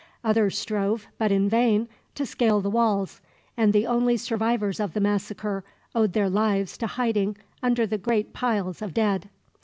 Others strove, but in vain, to scale the walls, and the only survivors of the massacre owed their lives to hiding under the great piles of dead.